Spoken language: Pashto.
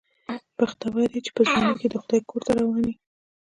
بختور یې چې په ځوانۍ کې د خدای کور ته روان یې.